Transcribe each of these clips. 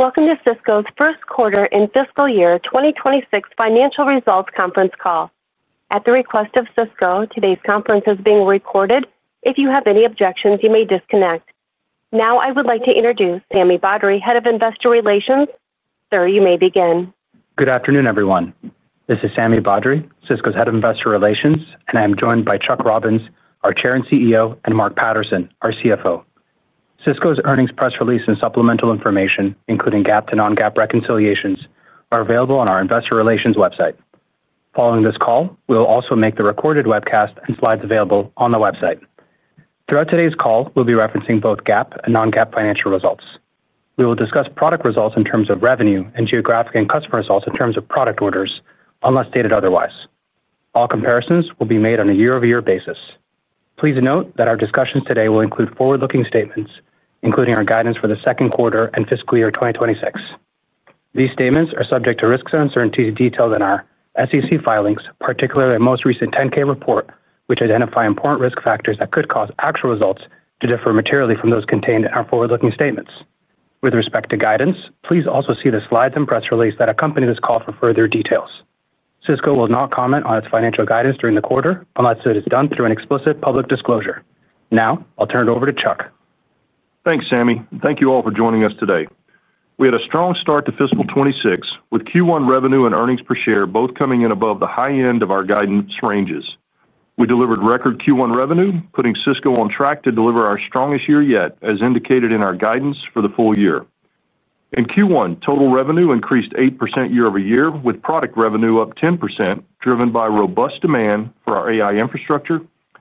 Welcome to Cisco's first quarter in fiscal year 2026 financial results conference call. At the request of Cisco, today's conference is being recorded. If you have any objections, you may disconnect. Now, I would like to introduce Sami Badri, Head of Investor Relations. Sir, you may begin. Good afternoon, everyone. This is Sami Badri, Cisco's Head of Investor Relations, and I am joined by Chuck Robbins, our Chair and CEO, and Mark Patterson, our CFO. Cisco's earnings press release and supplemental information, including GAAP to non-GAAP reconciliations, are available on our Investor Relations website. Following this call, we will also make the recorded webcast and slides available on the website. Throughout today's call, we'll be referencing both GAAP and non-GAAP financial results. We will discuss product results in terms of revenue and geographic and customer results in terms of product orders, unless stated otherwise. All comparisons will be made on a year-over-year basis. Please note that our discussions today will include forward-looking statements, including our guidance for the second quarter and fiscal year 2026. These statements are subject to risks and uncertainties detailed in our SEC filings, particularly our most recent 10-K report, which identifies important risk factors that could cause actual results to differ materially from those contained in our forward-looking statements. With respect to guidance, please also see the slides and press release that accompany this call for further details. Cisco will not comment on its financial guidance during the quarter, unless it is done through an explicit public disclosure. Now, I'll turn it over to Chuck. Thanks, Sami. Thank you all for joining us today. We had a strong start to fiscal 2026, with Q1 revenue and earnings per share both coming in above the high end of our guidance ranges. We delivered record Q1 revenue, putting Cisco on track to deliver our strongest year yet, as indicated in our guidance for the full year. In Q1, total revenue increased 8% year-over-year, with product revenue up 10%, driven by robust demand for our AI infrastructure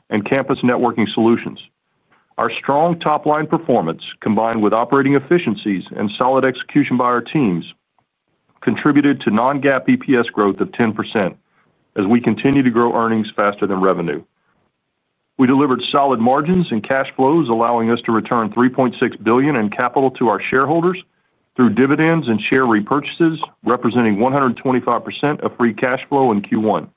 and campus networking solutions. Our strong top-line performance, combined with operating efficiencies and solid execution by our teams, contributed to non-GAAP EPS growth of 10%, as we continue to grow earnings faster than revenue. We delivered solid margins and cash flows, allowing us to return $3.6 billion in capital to our shareholders through dividends and share repurchases, representing 125% of free cash flow in Q1.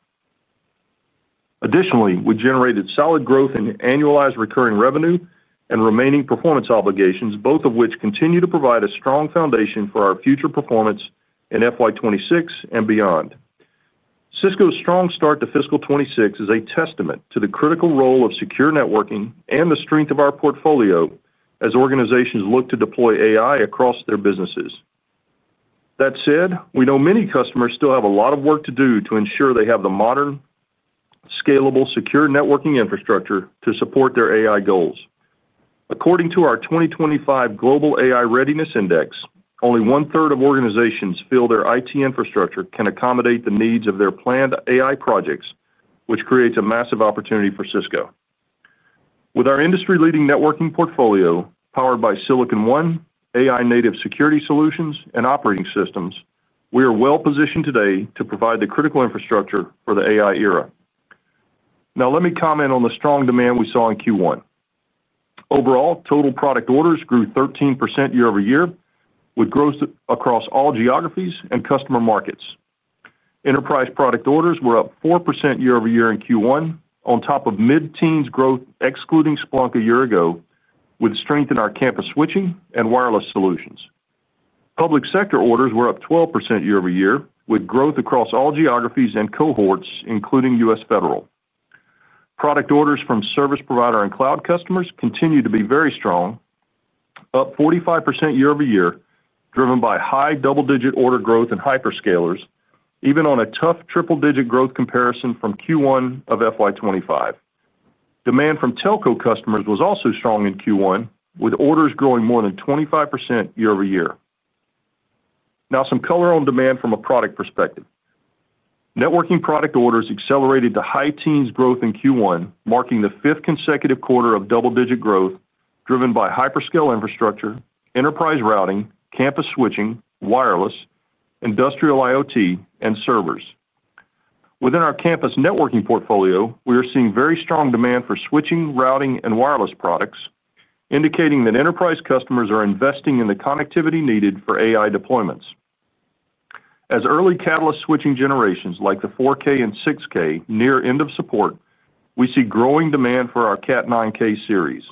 Additionally, we generated solid growth in annualized recurring revenue and remaining performance obligations, both of which continue to provide a strong foundation for our future performance in FY 2026 and beyond. Cisco's strong start to fiscal 2026 is a testament to the critical role of secure networking and the strength of our portfolio as organizations look to deploy AI across their businesses. That said, we know many customers still have a lot of work to do to ensure they have the modern, scalable, secure networking infrastructure to support their AI goals. According to our 2025 Global AI Readiness Index, only one-third of organizations feel their IT infrastructure can accommodate the needs of their planned AI projects, which creates a massive opportunity for Cisco. With our industry-leading networking portfolio, powered by Silicon One AI-native security solutions and operating systems, we are well-positioned today to provide the critical infrastructure for the AI era. Now, let me comment on the strong demand we saw in Q1. Overall, total product orders grew 13% year-over-year, with growth across all geographies and customer markets. Enterprise product orders were up 4% year-over-year in Q1, on top of mid-teens growth excluding Splunk a year ago, with strength in our campus switching and wireless solutions. Public sector orders were up 12% year-over-year, with growth across all geographies and cohorts, including U.S. Federal. Product orders from service provider and cloud customers continued to be very strong, up 45% year-over-year, driven by high double-digit order growth and hyperscalers, even on a tough triple-digit growth comparison from Q1 of FY 2025. Demand from Telco customers was also strong in Q1, with orders growing more than 25% year-over-year. Now, some color on demand from a product perspective. Networking product orders accelerated to high teens growth in Q1, marking the fifth consecutive quarter of double-digit growth, driven by hyperscale infrastructure, enterprise routing, campus switching, wireless, industrial IoT, and servers. Within our campus networking portfolio, we are seeing very strong demand for switching, routing, and wireless products, indicating that enterprise customers are investing in the connectivity needed for AI deployments. As early Catalyst switching generations like the 4K and 6K near end of support, we see growing demand for our Cat 9K series.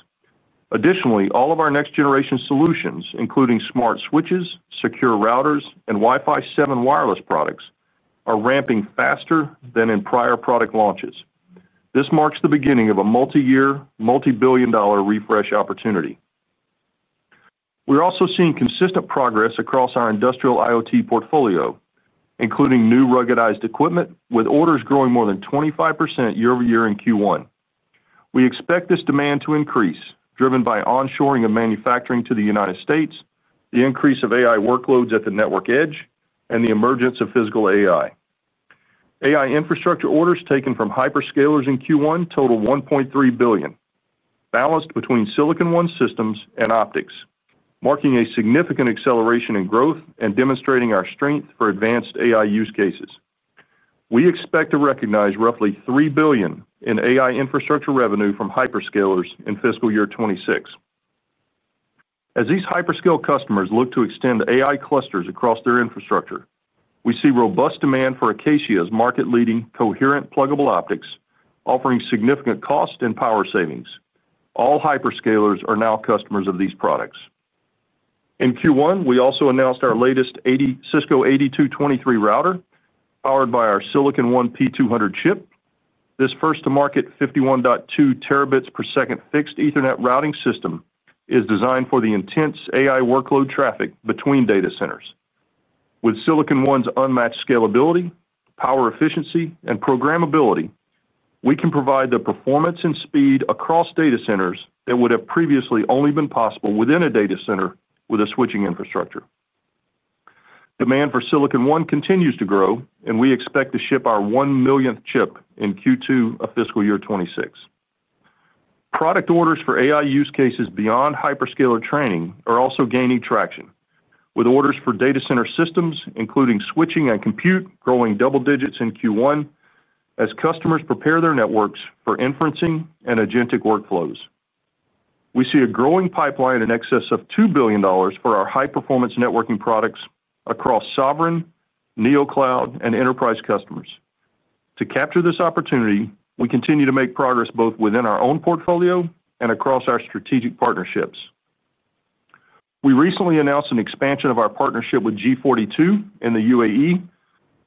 Additionally, all of our next-generation solutions, including smart switches, secure routers, and Wi-Fi 7 wireless products, are ramping faster than in prior product launches. This marks the beginning of a multi-year, multi-billion dollar refresh opportunity. We're also seeing consistent progress across our industrial IoT portfolio, including new ruggedized equipment, with orders growing more than 25% year-over-year in Q1. We expect this demand to increase, driven by onshoring of manufacturing to the United States, the increase of AI workloads at the network edge, and the emergence of physical AI. AI infrastructure orders taken from hyperscalers in Q1 total $1.3 billion, balanced between Silicon One systems and optics, marking a significant acceleration in growth and demonstrating our strength for advanced AI use cases. We expect to recognize roughly $3 billion in AI infrastructure revenue from hyperscalers in fiscal year 2026. As these hyperscale customers look to extend AI clusters across their infrastructure, we see robust demand for Acacia's market-leading coherent pluggable optics, offering significant cost and power savings. All hyperscalers are now customers of these products. In Q1, we also announced our latest Cisco 8223 router, powered by our Silicon One P200 chip. This first-to-market 51.2 Tb per second fixed Ethernet routing system is designed for the intense AI workload traffic between data centers. With Silicon One's unmatched scalability, power efficiency, and programmability, we can provide the performance and speed across data centers that would have previously only been possible within a data center with a switching infrastructure. Demand for Silicon One continues to grow, and we expect to ship our one millionth chip in Q2 of fiscal year 2026. Product orders for AI use cases beyond hyperscaler training are also gaining traction, with orders for data center systems, including switching and compute, growing double digits in Q1 as customers prepare their networks for inferencing and agentic workflows. We see a growing pipeline in excess of $2 billion for our high-performance networking products across Sovereign, Neocloud, and Enterprise customers. To capture this opportunity, we continue to make progress both within our own portfolio and across our strategic partnerships. We recently announced an expansion of our partnership with G42 in the UAE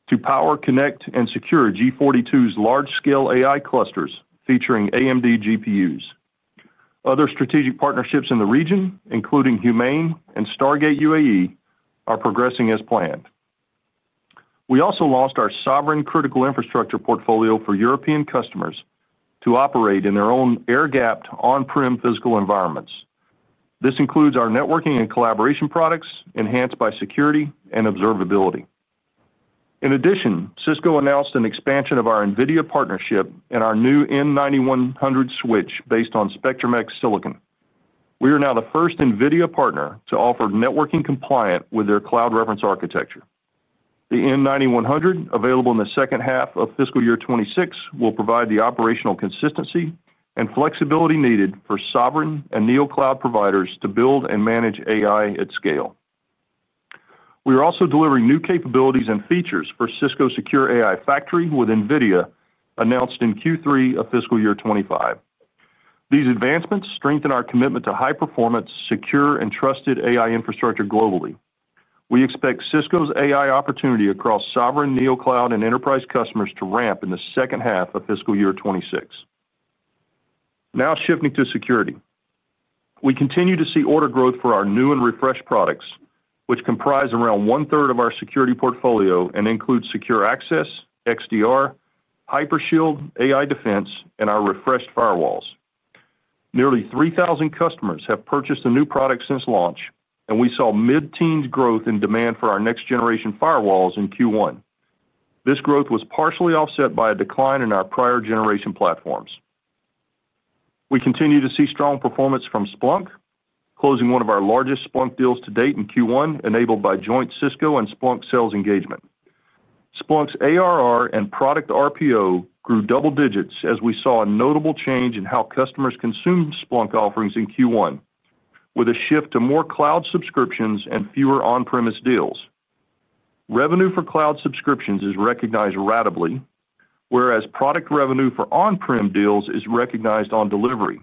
to power, connect, and secure G42's large-scale AI clusters featuring AMD GPUs. Other strategic partnerships in the region, including Humane and Stargate UAE, are progressing as planned. We also launched our Sovereign critical infrastructure portfolio for European customers to operate in their own air-gapped on-prem physical environments. This includes our networking and collaboration products enhanced by security and observability. In addition, Cisco announced an expansion of our NVIDIA partnership and our new N9100 switch based on Spectrum X Silicon. We are now the first NVIDIA partner to offer networking compliant with their cloud reference architecture. The N9100, available in the second half of fiscal year 2026, will provide the operational consistency and flexibility needed for Sovereign and Neocloud providers to build and manage AI at scale. We are also delivering new capabilities and features for Cisco Secure AI Factory with NVIDIA, announced in Q3 of fiscal year 2025. These advancements strengthen our commitment to high-performance, secure, and trusted AI infrastructure globally. We expect Cisco's AI opportunity across Sovereign, Neocloud, and enterprise customers to ramp in the second half of fiscal year 2026. Now, shifting to security, we continue to see order growth for our new and refreshed products, which comprise around one-third of our security portfolio and include Secure Access, XDR, Hypershield, AI Defense, and our refreshed firewalls. Nearly 3,000 customers have purchased a new product since launch, and we saw mid-teens growth in demand for our next-generation firewalls in Q1. This growth was partially offset by a decline in our prior-generation platforms. We continue to see strong performance from Splunk, closing one of our largest Splunk deals to date in Q1, enabled by joint Cisco and Splunk sales engagement. Splunk's ARR and product RPO grew double digits as we saw a notable change in how customers consumed Splunk offerings in Q1, with a shift to more cloud subscriptions and fewer on-premise deals. Revenue for cloud subscriptions is recognized ratably, whereas product revenue for on-prem deals is recognized on delivery.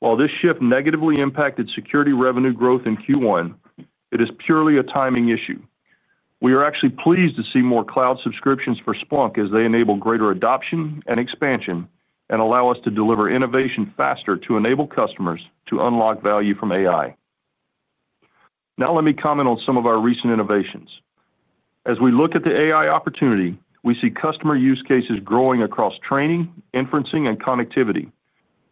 While this shift negatively impacted security revenue growth in Q1, it is purely a timing issue. We are actually pleased to see more cloud subscriptions for Splunk as they enable greater adoption and expansion and allow us to deliver innovation faster to enable customers to unlock value from AI. Now, let me comment on some of our recent innovations. As we look at the AI opportunity, we see customer use cases growing across training, inferencing, and connectivity,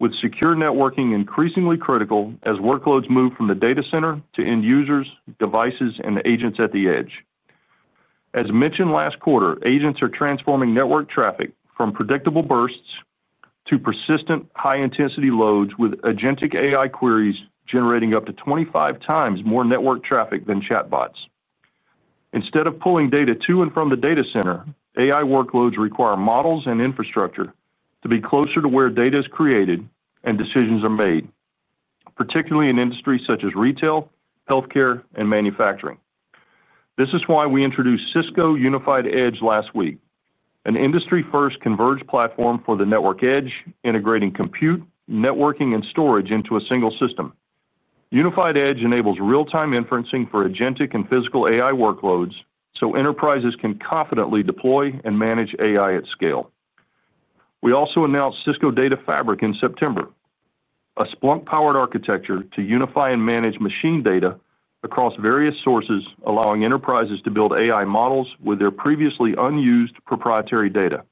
with secure networking increasingly critical as workloads move from the data center to end users, devices, and agents at the edge. As mentioned last quarter, agents are transforming network traffic from predictable bursts to persistent high-intensity loads, with agentic AI queries generating up to 25 times more network traffic than chatbots. Instead of pulling data to and from the data center, AI workloads require models and infrastructure to be closer to where data is created and decisions are made, particularly in industries such as retail, healthcare, and manufacturing. This is why we introduced Cisco Unified Edge last week, an industry-first converged platform for the network edge, integrating compute, networking, and storage into a single system. Unified Edge enables real-time inferencing for agentic and physical AI workloads, so enterprises can confidently deploy and manage AI at scale. We also announced Cisco Data Fabric in September, a Splunk-powered architecture to unify and manage machine data across various sources, allowing enterprises to build AI models with their previously unused proprietary data.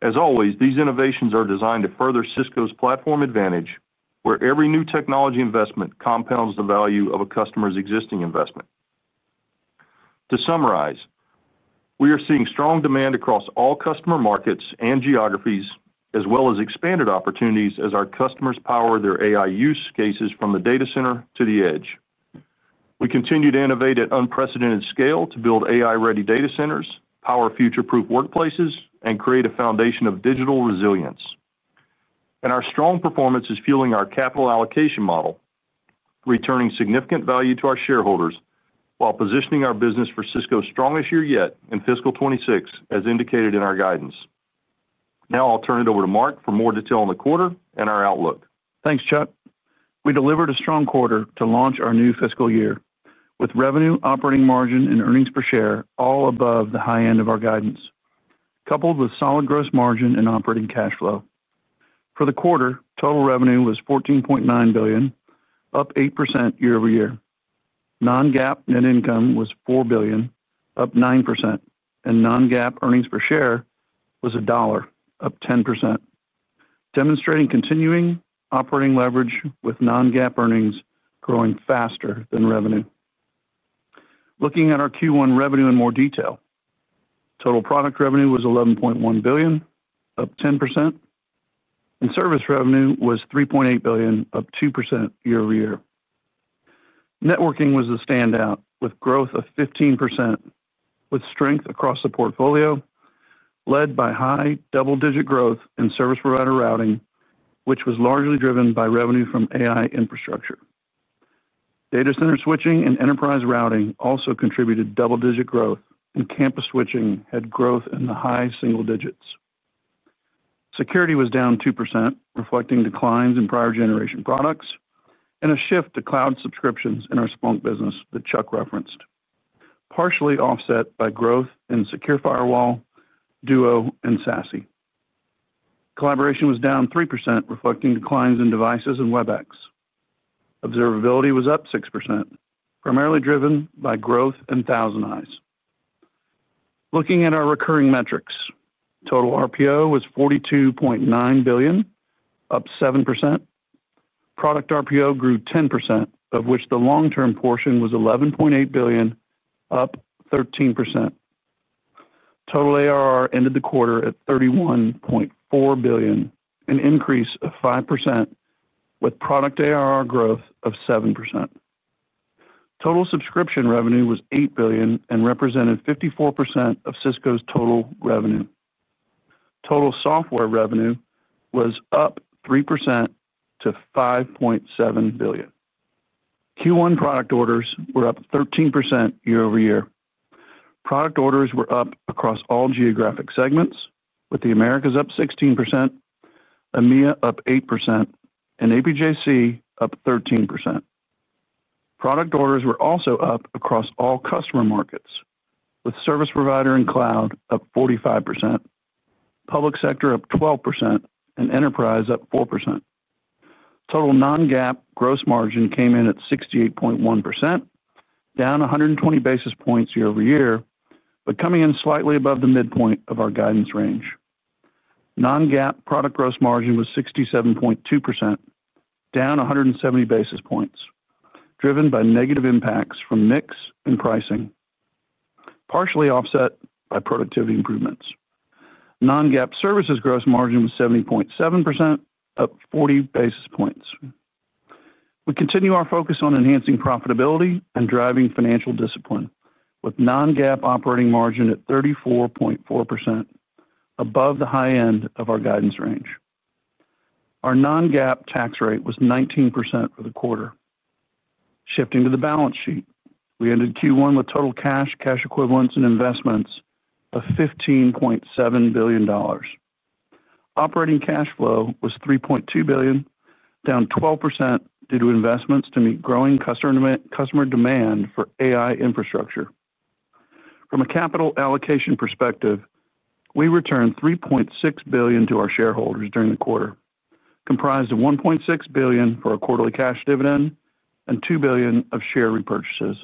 As always, these innovations are designed to further Cisco's platform advantage, where every new technology investment compounds the value of a customer's existing investment. To summarize, we are seeing strong demand across all customer markets and geographies, as well as expanded opportunities as our customers power their AI use cases from the data center to the edge. We continue to innovate at unprecedented scale to build AI-ready data centers, power future-proof workplaces, and create a foundation of digital resilience. Our strong performance is fueling our capital allocation model, returning significant value to our shareholders while positioning our business for Cisco's strongest year yet in fiscal 2026, as indicated in our guidance. Now, I'll turn it over to Mark for more detail on the quarter and our outlook. Thanks, Chuck. We delivered a strong quarter to launch our new fiscal year, with revenue, operating margin, and earnings per share all above the high end of our guidance, coupled with solid gross margin and operating cash flow. For the quarter, total revenue was $14.9 billion, up 8% year-over-year. Non-GAAP net income was $4 billion, up 9%, and non-GAAP earnings per share was $1, up 10%, demonstrating continuing operating leverage with non-GAAP earnings growing faster than revenue. Looking at our Q1 revenue in more detail, total product revenue was $11.1 billion, up 10%, and service revenue was $3.8 billion, up 2% year-over-year. Networking was the standout, with growth of 15%, with strength across the portfolio led by high double-digit growth in service provider routing, which was largely driven by revenue from AI infrastructure. Data center switching and enterprise routing also contributed double-digit growth, and campus switching had growth in the high single digits. Security was down 2%, reflecting declines in prior-generation products and a shift to cloud subscriptions in our Splunk business that Chuck referenced, partially offset by growth in Secure Firewall, Duo, and SASE. Collaboration was down 3%, reflecting declines in devices and Webex. Observability was up 6%, primarily driven by growth in ThousandEyes. Looking at our recurring metrics, total RPO was $42.9 billion, up 7%. Product RPO grew 10%, of which the long-term portion was $11.8 billion, up 13%. Total ARR ended the quarter at $31.4 billion, an increase of 5%, with product ARR growth of 7%. Total subscription revenue was $8 billion and represented 54% of Cisco's total revenue. Total software revenue was up 3% to $5.7 billion. Q1 product orders were up 13% year-over-year. Product orders were up across all geographic segments, with the Americas up 16%, EMEA up 8%, and APJC up 13%. Product orders were also up across all customer markets, with service provider and cloud up 45%, public sector up 12%, and enterprise up 4%. Total non-GAAP gross margin came in at 68.1%, down 120 basis points year-over-year, but coming in slightly above the midpoint of our guidance range. Non-GAAP product gross margin was 67.2%, down 170 basis points, driven by negative impacts from mix and pricing, partially offset by productivity improvements. Non-GAAP services gross margin was 70.7%, up 40 basis points. We continue our focus on enhancing profitability and driving financial discipline, with non-GAAP operating margin at 34.4%, above the high end of our guidance range. Our non-GAAP tax rate was 19% for the quarter. Shifting to the balance sheet, we ended Q1 with total cash, cash equivalents, and investments of $15.7 billion. Operating cash flow was $3.2 billion, down 12% due to investments to meet growing customer demand for AI infrastructure. From a capital allocation perspective, we returned $3.6 billion to our shareholders during the quarter, comprised of $1.6 billion for a quarterly cash dividend and $2 billion of share repurchases,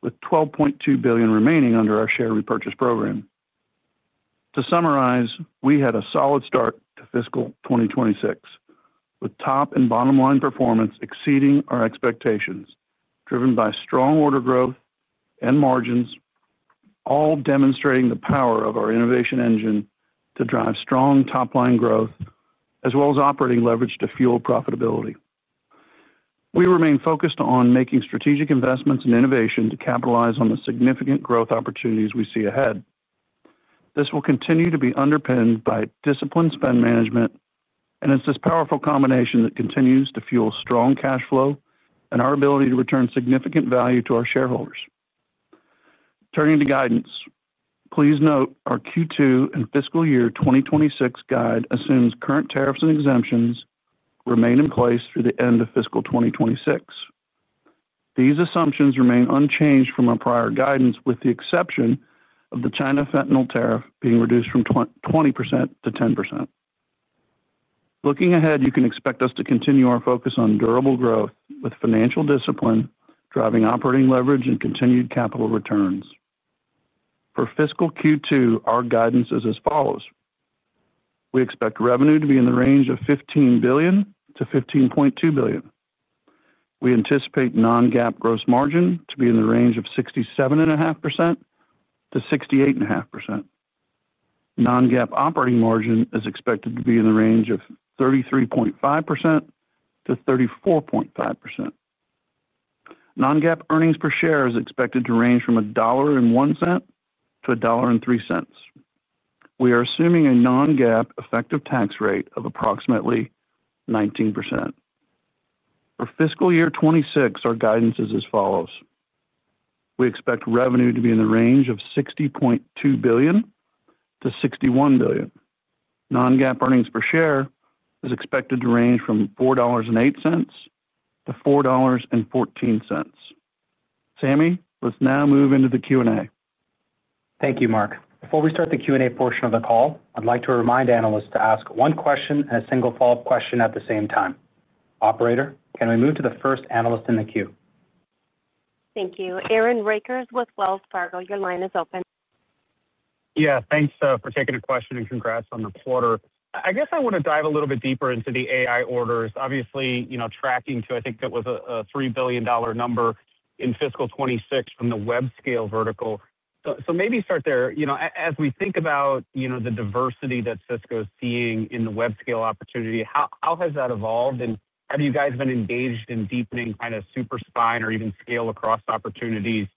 with $12.2 billion remaining under our share repurchase program. To summarize, we had a solid start to fiscal 2026, with top and bottom-line performance exceeding our expectations, driven by strong order growth and margins, all demonstrating the power of our innovation engine to drive strong top-line growth, as well as operating leverage to fuel profitability. We remain focused on making strategic investments and innovation to capitalize on the significant growth opportunities we see ahead. This will continue to be underpinned by disciplined spend management, and it's this powerful combination that continues to fuel strong cash flow and our ability to return significant value to our shareholders. Turning to guidance, please note our Q2 and fiscal year 2026 guide assumes current tariffs and exemptions remain in place through the end of fiscal 2026. These assumptions remain unchanged from our prior guidance, with the exception of the China fentanyl tariff being reduced from 20% to 10%. Looking ahead, you can expect us to continue our focus on durable growth, with financial discipline driving operating leverage and continued capital returns. For fiscal Q2, our guidance is as follows. We expect revenue to be in the range of $15 billion-$15.2 billion. We anticipate non-GAAP gross margin to be in the range of 67.5%-68.5%. Non-GAAP operating margin is expected to be in the range of 33.5%-34.5%. Non-GAAP earnings per share is expected to range from $1.01-$1.03. We are assuming a non-GAAP effective tax rate of approximately 19%. For fiscal year 2026, our guidance is as follows. We expect revenue to be in the range of $60.2 billion-$61 billion. Non-GAAP earnings per share is expected to range from $4.08-$4.14. Sami, let's now move into the Q&A. Thank you, Mark. Before we start the Q&A portion of the call, I'd like to remind analysts to ask one question and a single follow-up question at the same time. Operator, can we move to the first analyst in the queue? Thank you. Aaron Rakers with Wells Fargo, your line is open. Yeah, thanks for taking a question and congrats on the quarter. I guess I want to dive a little bit deeper into the AI orders. Obviously, tracking to, I think it was a $3 billion number in fiscal 2026 from the WebScale vertical. Maybe start there. As we think about the diversity that Cisco is seeing in the WebScale opportunity, how has that evolved? Have you guys been engaged in deepening kind of super spine or even scale across opportunities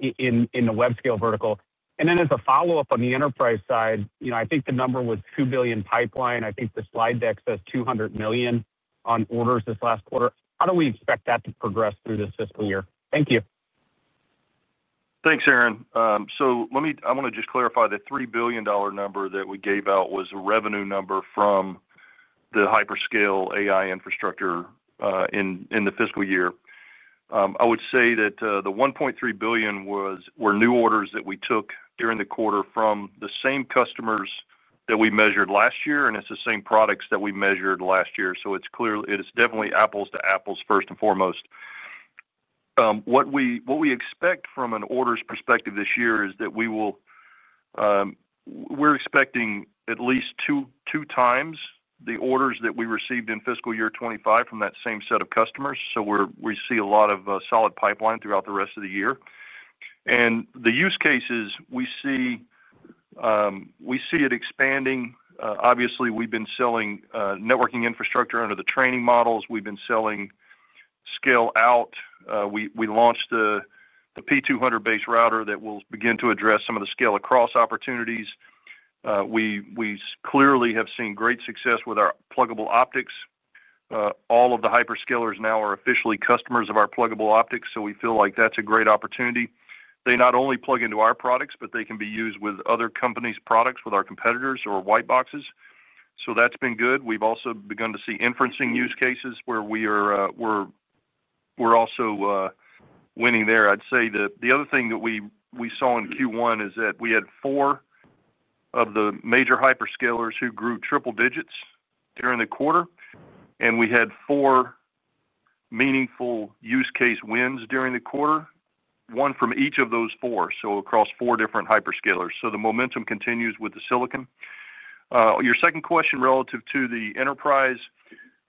in the WebScale vertical? Then as a follow-up on the enterprise side, I think the number was $2 billion pipeline. I think the slide deck says $200 million on orders this last quarter. How do we expect that to progress through this fiscal year? Thank you. Thanks, Aaron. I want to just clarify the $3 billion number that we gave out was a revenue number from the Hyperscale AI infrastructure in the fiscal year. I would say that the $1.3 billion were new orders that we took during the quarter from the same customers that we measured last year, and it is the same products that we measured last year. It is definitely apples to apples, first and foremost. What we expect from an orders perspective this year is that we are expecting at least two times the orders that we received in fiscal year 2025 from that same set of customers. We see a lot of solid pipeline throughout the rest of the year. The use cases, we see it expanding. Obviously, we've been selling networking infrastructure under the training models. We've been selling scale-out. We launched the P200-based router that will begin to address some of the scale-across opportunities. We clearly have seen great success with our pluggable optics. All of the Hyperscalers now are officially customers of our pluggable optics, so we feel like that's a great opportunity. They not only plug into our products, but they can be used with other companies' products, with our competitors or white boxes. That's been good. We've also begun to see inferencing use cases where we're also winning there. I'd say the other thing that we saw in Q1 is that we had four of the major Hyperscalers who grew triple digits during the quarter, and we had four meaningful use case wins during the quarter, one from each of those four, so across four different Hyperscalers. The momentum continues with the silicon. Your second question relative to the enterprise,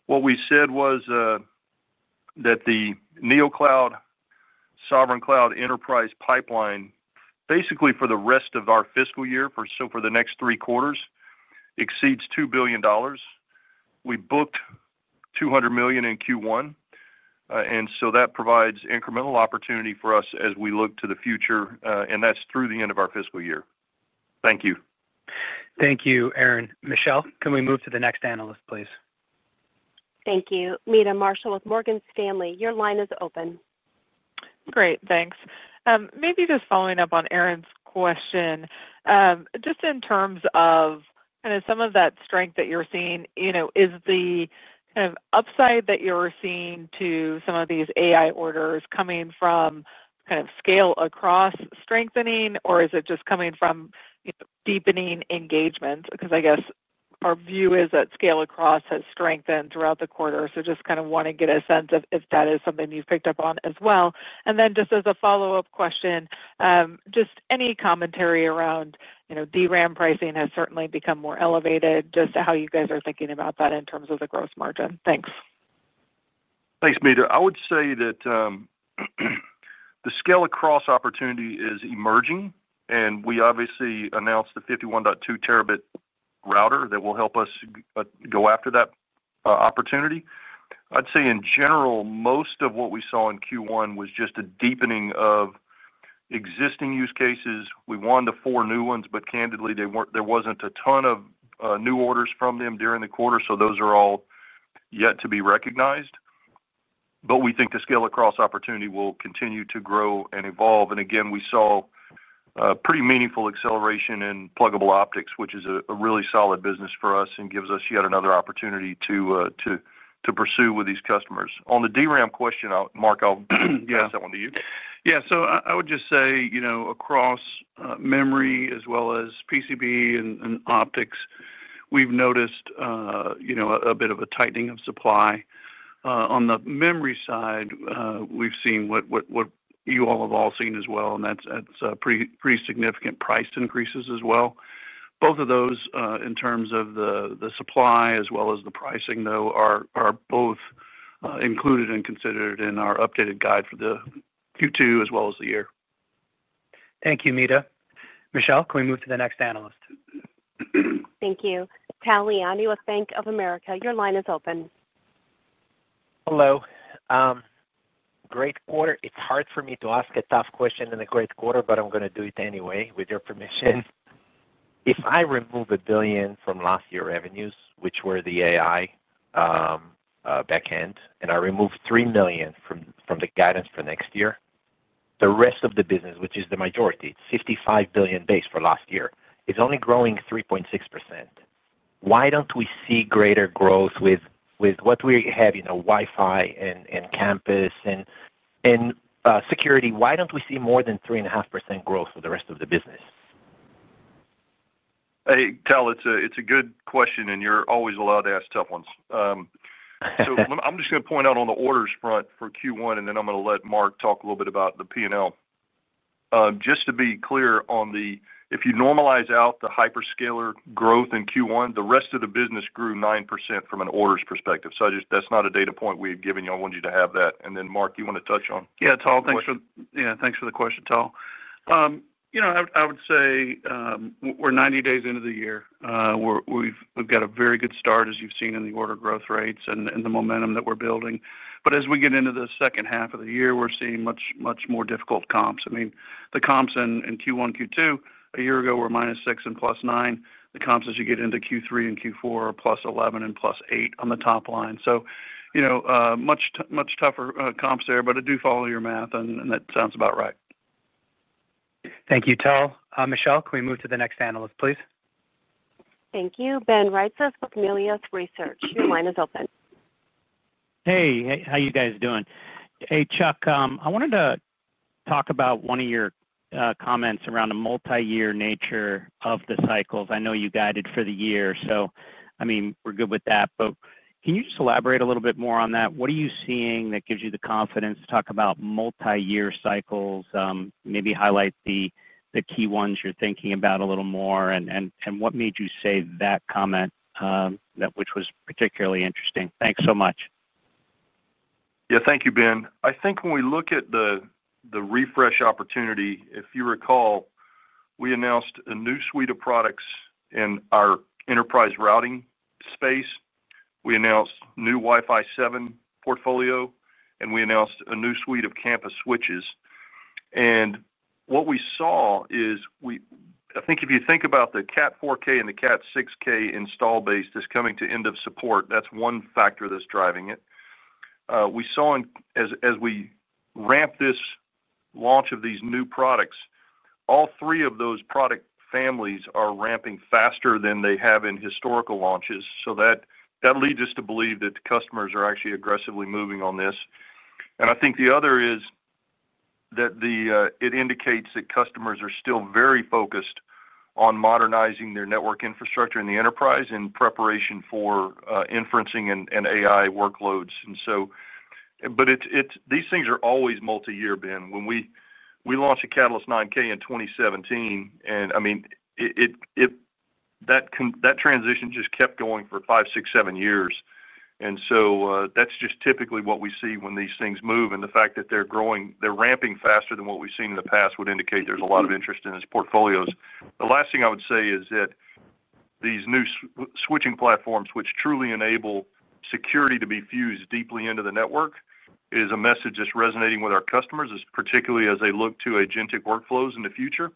what we said was that the Neocloud, Sovereign Cloud, Enterprise pipeline, basically for the rest of our fiscal year, so for the next three quarters, exceeds $2 billion. We booked $200 million in Q1, and that provides incremental opportunity for us as we look to the future, and that's through the end of our fiscal year. Thank you. Thank you, Aaron. Michelle, can we move to the next analyst, please? Thank you. Meta Marshall with Morgan Stanley, your line is open. Great. Thanks. Maybe just following up on Aaron's question, just in terms of kind of some of that strength that you're seeing, is the kind of upside that you're seeing to some of these AI orders coming from kind of scale-across strengthening, or is it just coming from deepening engagement? Because I guess our view is that scale-across has strengthened throughout the quarter. Just kind of want to get a sense of if that is something you've picked up on as well. Just as a follow-up question, any commentary around DRAM pricing has certainly become more elevated. Just how you guys are thinking about that in terms of the gross margin. Thanks. Thanks, Meta. I would say that the scale-across opportunity is emerging, and we obviously announced the 51.2 Tb router that will help us go after that opportunity. I'd say in general, most of what we saw in Q1 was just a deepening of existing use cases. We wanted to form new ones, but candidly, there wasn't a ton of new orders from them during the quarter, so those are all yet to be recognized. We think the scale-across opportunity will continue to grow and evolve. Again, we saw a pretty meaningful acceleration in pluggable optics, which is a really solid business for us and gives us yet another opportunity to pursue with these customers. On the DRAM question, Mark, I'll pass that one to you. Yeah. I would just say across memory as well as PCB and optics, we've noticed a bit of a tightening of supply. On the memory side, we've seen what you all have all seen as well, and that's pretty significant price increases as well. Both of those, in terms of the supply as well as the pricing, though, are both included and considered in our updated guide for the Q2 as well as the year. Thank you, Meta. Michelle, can we move to the next analyst? Thank you. Tal Liani with Bank of America, your line is open. Hello. Great quarter. It's hard for me to ask a tough question in a great quarter, but I'm going to do it anyway with your permission. If I remove $1 billion from last year's revenues, which were the AI backend, and I remove $3 million from the guidance for next year, the rest of the business, which is the majority, it's $55 billion base for last year, it's only growing 3.6%. Why don't we see greater growth with what we have in Wi-Fi and campus and security? Why don't we see more than 3.5% growth for the rest of the business? Tal, it's a good question, and you're always allowed to ask tough ones. I'm just going to point out on the orders front for Q1, and then I'm going to let Mark talk a little bit about the P&L. Just to be clear, if you normalize out the Hyperscaler growth in Q1, the rest of the business grew 9% from an orders perspective. That's not a data point we've given you. I want you to have that. Mark, do you want to touch on? Yeah, Tal, thanks for the question, Tal. I would say we're 90 days into the year. We've got a very good start, as you've seen in the order growth rates and the momentum that we're building. As we get into the second half of the year, we're seeing much more difficult comps. I mean, the comps in Q1, Q2, a year ago were minus 6% and plus 9%. The comps as you get into Q3 and Q4 are plus 11% and plus 8% on the top line. Much tougher comps there, but I do follow your math, and that sounds about right. Thank you, Tal. Michelle, can we move to the next analyst, please? Thank you. Ben Reitzes with Melius Research. Your line is open. Hey, how are you guys doing? Hey, Chuck, I wanted to talk about one of your comments around the multi-year nature of the cycles. I know you guided for the year, so I mean, we're good with that, but can you just elaborate a little bit more on that? What are you seeing that gives you the confidence to talk about multi-year cycles, maybe highlight the key ones you're thinking about a little more, and what made you say that comment, which was particularly interesting? Thanks so much. Yeah, thank you, Ben. I think when we look at the refresh opportunity, if you recall, we announced a new suite of products in our enterprise routing space. We announced a new Wi-Fi 7 portfolio, and we announced a new suite of campus switches. What we saw is, I think if you think about the Cat 4K and the Cat 6K install base that's coming to end of support, that's one factor that's driving it. We saw as we ramp this launch of these new products, all three of those product families are ramping faster than they have in historical launches. That leads us to believe that customers are actually aggressively moving on this. I think the other is that it indicates that customers are still very focused on modernizing their network infrastructure in the enterprise in preparation for inferencing and AI workloads. These things are always multi-year, Ben. When we launched the Catalyst 9K in 2017, I mean, that transition just kept going for five, six, seven years. That is just typically what we see when these things move. The fact that they are ramping faster than what we have seen in the past would indicate there is a lot of interest in these portfolios. The last thing I would say is that these new switching platforms, which truly enable security to be fused deeply into the network, is a message that is resonating with our customers, particularly as they look to agentic workflows in the future.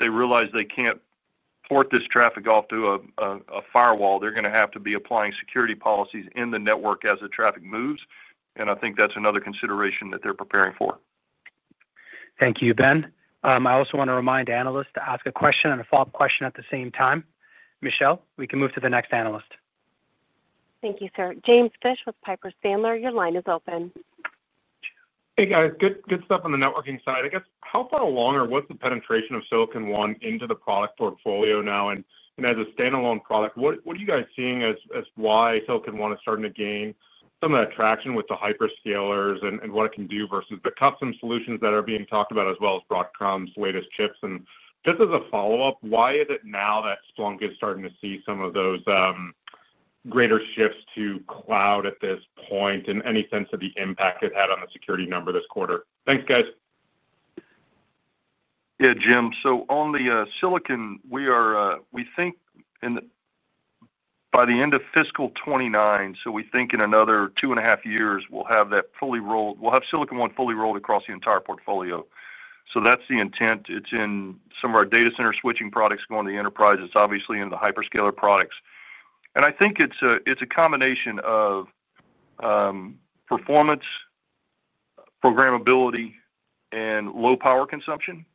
They realize they can't port this traffic off to a firewall. They're going to have to be applying security policies in the network as the traffic moves. I think that's another consideration that they're preparing for. Thank you, Ben. I also want to remind analysts to ask a question and a follow-up question at the same time. Michelle, we can move to the next analyst. Thank you, sir. James Fish with Piper Sandler, your line is open. Hey, guys, good stuff on the networking side. I guess how far along or what's the penetration of Silicon One into the product portfolio now? As a standalone product, what are you guys seeing as why Silicon One is starting to gain some of that traction with the Hyperscalers and what it can do versus the custom solutions that are being talked about as well as Broadcom's latest chips? Just as a follow-up, why is it now that Splunk is starting to see some of those greater shifts to cloud at this point and any sense of the impact it had on the security number this quarter? Thanks, guys. Yeah, Jim. On the Silicon, we think by the end of fiscal 2029, we think in another two and a half years, we'll have that fully rolled. We'll have Silicon One fully rolled across the entire portfolio. That's the intent. It's in some of our data center switching products going to the enterprise. It's obviously in the Hyperscaler products. I think it's a combination of performance, programmability, and low power consumption.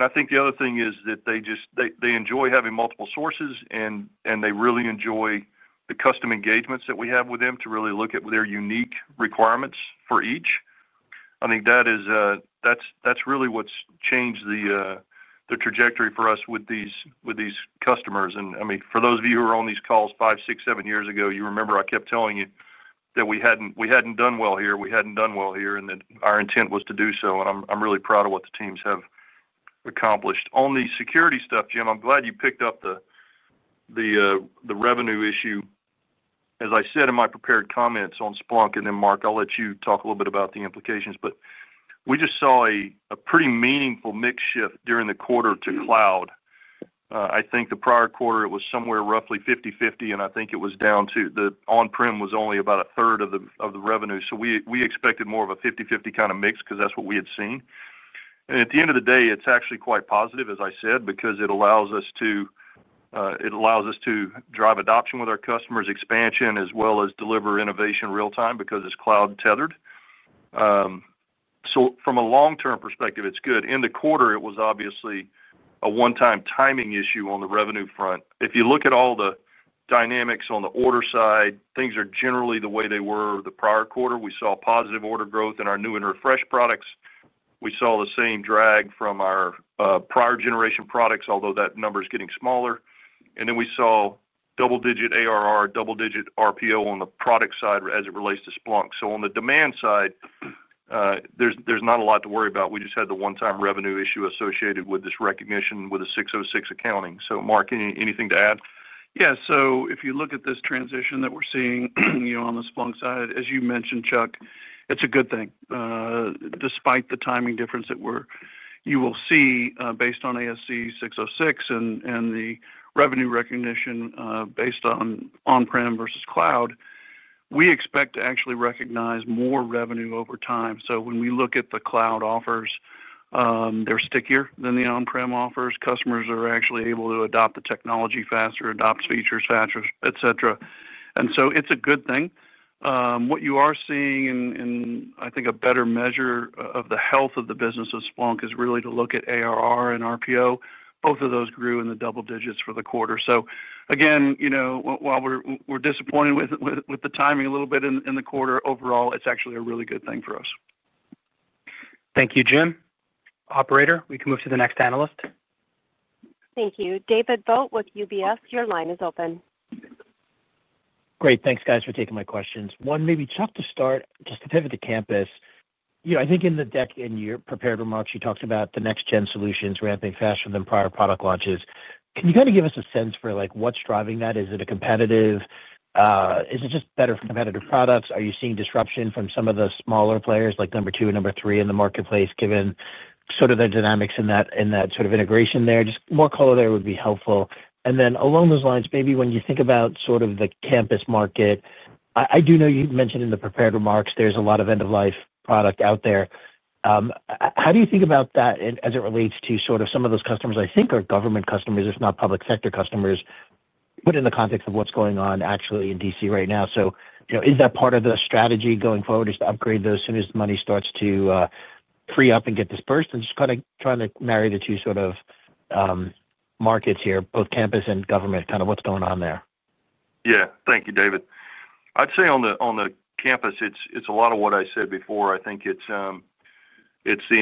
I think the other thing is that they enjoy having multiple sources, and they really enjoy the custom engagements that we have with them to really look at their unique requirements for each. I think that's really what's changed the trajectory for us with these customers. I mean, for those of you who were on these calls five, six, seven years ago, you remember I kept telling you that we hadn't done well here. We hadn't done well here, and that our intent was to do so. I'm really proud of what the teams have accomplished. On the security stuff, Jim, I'm glad you picked up the revenue issue. As I said in my prepared comments on Splunk, and then Mark, I'll let you talk a little bit about the implications. We just saw a pretty meaningful mix shift during the quarter to cloud. I think the prior quarter, it was somewhere roughly 50/50, and I think it was down to the on-prem was only about a third of the revenue. We expected more of a 50/50 kind of mix because that's what we had seen. At the end of the day, it's actually quite positive, as I said, because it allows us to drive adoption with our customers, expansion, as well as deliver innovation real-time because it's cloud-tethered. From a long-term perspective, it's good. In the quarter, it was obviously a one-time timing issue on the revenue front. If you look at all the dynamics on the order side, things are generally the way they were the prior quarter. We saw positive order growth in our new and refreshed products. We saw the same drag from our prior generation products, although that number is getting smaller. We saw double-digit ARR, double-digit RPO on the product side as it relates to Splunk. On the demand side, there's not a lot to worry about. We just had the one-time revenue issue associated with this recognition with the 606 accounting. Mark, anything to add? Yeah. If you look at this transition that we're seeing on the Splunk side, as you mentioned, Chuck, it's a good thing. Despite the timing difference that you will see based on ASC 606 and the revenue recognition based on on-prem versus cloud, we expect to actually recognize more revenue over time. When we look at the cloud offers, they're stickier than the on-prem offers. Customers are actually able to adopt the technology faster, adopt features faster, etc. It is a good thing. What you are seeing in, I think, a better measure of the health of the business of Splunk is really to look at ARR and RPO. Both of those grew in the double digits for the quarter. Again, while we're disappointed with the timing a little bit in the quarter, overall, it's actually a really good thing for us. Thank you, Jim. Operator, we can move to the next analyst. Thank you. David Vogt with UBS, your line is open. Great. Thanks, guys, for taking my questions. One, maybe Chuck, to start, just to pivot to campus, I think in the deck and your prepared remarks, you talked about the next-gen solutions ramping faster than prior product launches. Can you kind of give us a sense for what's driving that? Is it a competitive? Is it just better for competitive products? Are you seeing disruption from some of the smaller players, like number two and number three in the marketplace, given sort of the dynamics in that sort of integration there? Just more color there would be helpful. Then along those lines, maybe when you think about sort of the campus market, I do know you mentioned in the prepared remarks there's a lot of end-of-life product out there. How do you think about that as it relates to sort of some of those customers I think are government customers, if not public sector customers, put in the context of what's going on actually in D.C. right now? Is that part of the strategy going forward, to upgrade those as soon as the money starts to free up and get dispersed? Just kind of trying to marry the two sort of markets here, both campus and government, kind of what's going on there. Yeah. Thank you, David. I'd say on the campus, it's a lot of what I said before. I think it's the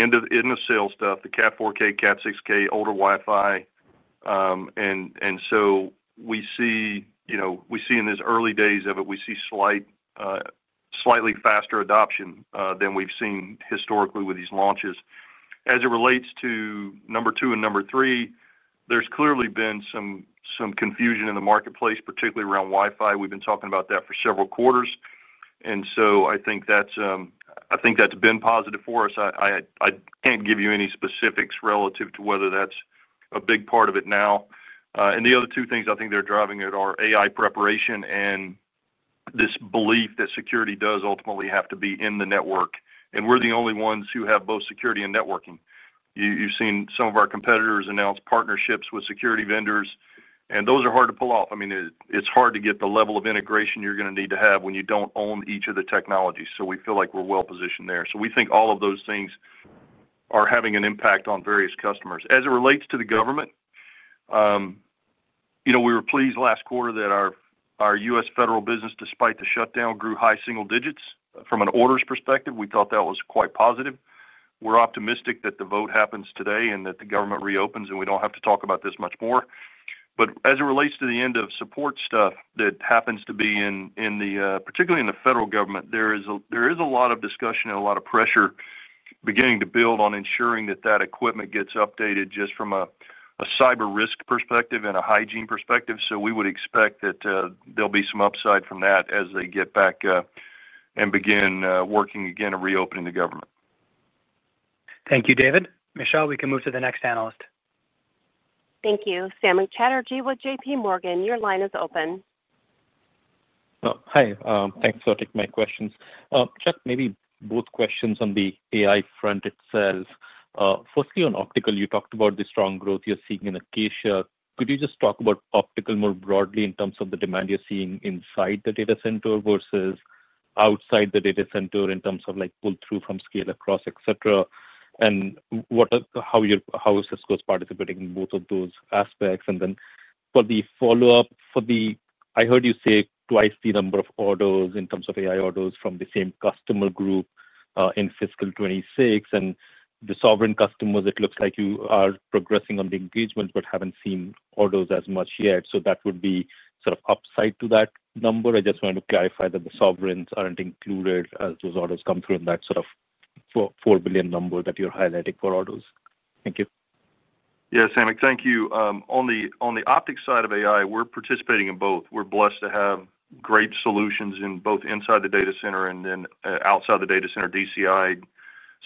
end-of-sale stuff, the Cat 4K, Cat 6K, older Wi-Fi. We see in these early days of it, we see slightly faster adoption than we've seen historically with these launches. As it relates to number two and number three, there's clearly been some confusion in the marketplace, particularly around Wi-Fi. We've been talking about that for several quarters. I think that's been positive for us. I can't give you any specifics relative to whether that's a big part of it now. The other two things I think that are driving it are AI preparation and this belief that security does ultimately have to be in the network. We're the only ones who have both security and networking. You've seen some of our competitors announce partnerships with security vendors, and those are hard to pull off. I mean, it's hard to get the level of integration you're going to need to have when you don't own each of the technologies. We feel like we're well positioned there. We think all of those things are having an impact on various customers. As it relates to the government, we were pleased last quarter that our US federal business, despite the shutdown, grew high single digits from an orders perspective. We thought that was quite positive. We're optimistic that the vote happens today and that the government reopens and we don't have to talk about this much more. As it relates to the end of support stuff that happens to be particularly in the federal government, there is a lot of discussion and a lot of pressure beginning to build on ensuring that that equipment gets updated just from a cyber risk perspective and a hygiene perspective. We would expect that there will be some upside from that as they get back and begin working again and reopening the government. Thank you, David. Michelle, we can move to the next analyst. Thank you. Samik Chatterjee with JPMorgan, your line is open. Hi. Thanks for taking my questions. Chuck, maybe both questions on the AI front itself. Firstly, on optical, you talked about the strong growth you are seeing in Acacia. Could you just talk about optical more broadly in terms of the demand you're seeing inside the data center versus outside the data center in terms of pull-through from scale across, etc.? How is Cisco's participating in both of those aspects? For the follow-up, I heard you say twice the number of orders in terms of AI orders from the same customer group in fiscal 2026. The sovereign customers, it looks like you are progressing on the engagement but have not seen orders as much yet. That would be sort of upside to that number. I just wanted to clarify that the sovereigns are not included as those orders come through in that sort of $4 billion number that you're highlighting for orders. Thank you. Yeah, Samik, thank you. On the optics side of AI, we're participating in both. We're blessed to have great solutions in both inside the data center and then outside the data center, DCI,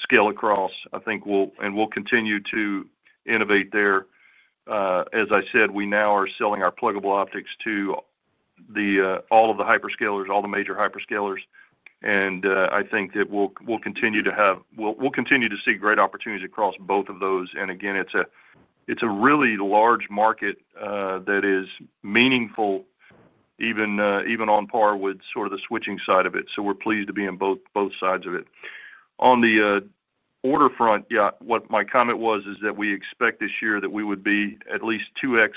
scale across. I think we'll continue to innovate there. As I said, we now are selling our pluggable optics to all of the Hyperscalers, all the major Hyperscalers. I think that we'll continue to see great opportunities across both of those. Again, it's a really large market that is meaningful, even on par with sort of the switching side of it. We're pleased to be on both sides of it. On the order front, yeah, what my comment was is that we expect this year that we would be at least 2x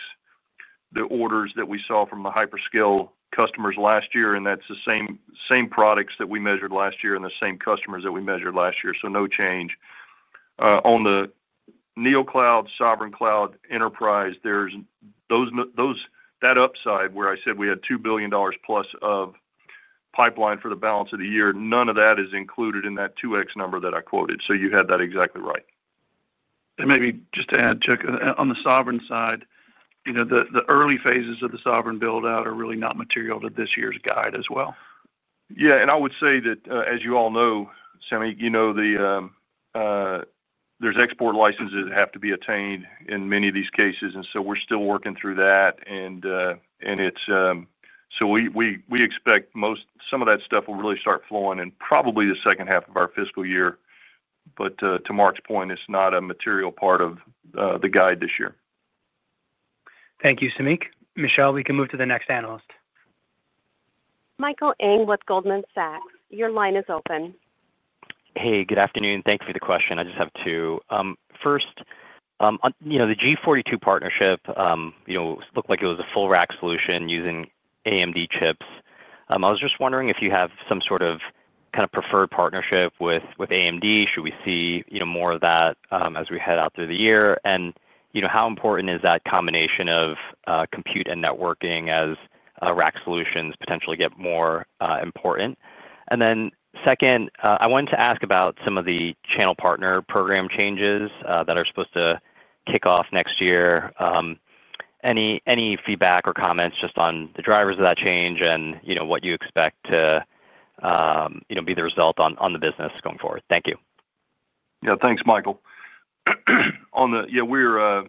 the orders that we saw from the Hyperscale customers last year. That's the same products that we measured last year and the same customers that we measured last year. No change. On the Neocloud, Sovereign Cloud, Enterprise, there's that upside where I said we had $2 billion plus of pipeline for the balance of the year. None of that is included in that 2x number that I quoted. You had that exactly right. Maybe just to add, Chuck, on the sovereign side, the early phases of the sovereign build-out are really not material to this year's guide as well. Yeah. I would say that, as you all know, Samik, there's export licenses that have to be attained in many of these cases. We're still working through that. We expect some of that stuff will really start flowing in probably the second half of our fiscal year. To Mark's point, it's not a material part of the guide this year. Thank you, Samik. Michelle, we can move to the next analyst. Michael Ng with Goldman Sachs. Your line is open. Hey, good afternoon. Thank you for the question. I just have two. First, the G42 partnership looked like it was a full rack solution using AMD chips. I was just wondering if you have some sort of kind of preferred partnership with AMD. Should we see more of that as we head out through the year? How important is that combination of compute and networking as rack solutions potentially get more important? I wanted to ask about some of the channel partner program changes that are supposed to kick off next year. Any feedback or comments just on the drivers of that change and what you expect to be the result on the business going forward? Thank you. Yeah. Thanks, Michael. Yeah, we're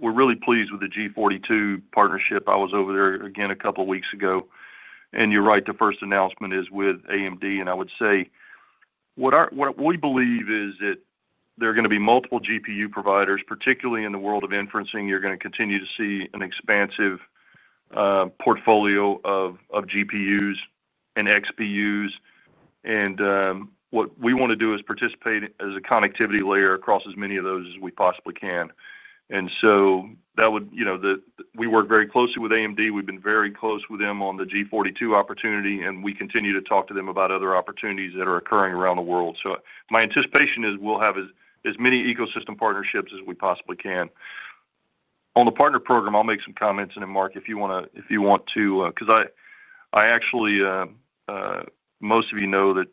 really pleased with the G42 partnership. I was over there again a couple of weeks ago. You are right, the first announcement is with AMD. I would say what we believe is that there are going to be multiple GPU providers, particularly in the world of inferencing. You are going to continue to see an expansive portfolio of GPUs and XPUs. What we want to do is participate as a connectivity layer across as many of those as we possibly can. That is why we work very closely with AMD. We have been very close with them on the G42 opportunity, and we continue to talk to them about other opportunities that are occurring around the world. My anticipation is we will have as many ecosystem partnerships as we possibly can. On the partner program, I will make some comments. Mark, if you want to, because I actually most of you know that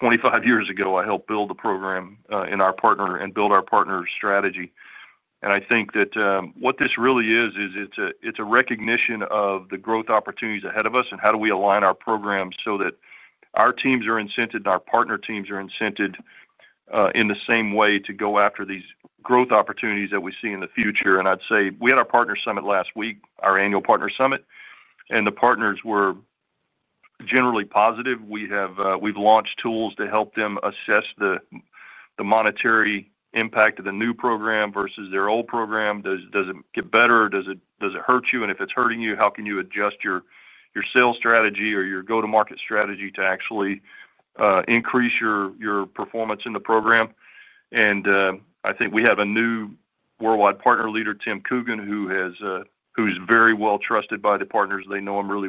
25 years ago, I helped build the program in our partner and build our partner strategy. I think that what this really is, is it's a recognition of the growth opportunities ahead of us and how do we align our programs so that our teams are incented and our partner teams are incented in the same way to go after these growth opportunities that we see in the future. I'd say we had our partner summit last week, our annual partner summit, and the partners were generally positive. We've launched tools to help them assess the monetary impact of the new program versus their old program. Does it get better? Does it hurt you? If it's hurting you, how can you adjust your sales strategy or your go-to-market strategy to actually increase your performance in the program? I think we have a new worldwide partner leader, Tim Coogan, who is very well trusted by the partners. They know him really